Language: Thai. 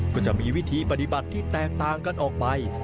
ก็จะมีวิธีปฏิบัติที่แตกต่างกันออกไป